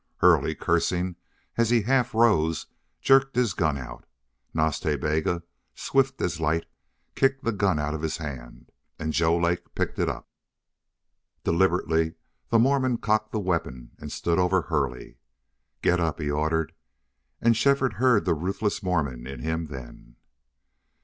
Hurley, cursing as he half rose, jerked his gun out. Nas Ta Bega, swift as light, kicked the gun out of his hand. And Joe Lake picked it up. Deliberately the Mormon cocked the weapon and stood over Hurley. "Get up!" he ordered, and Shefford heard the ruthless Mormon in him then.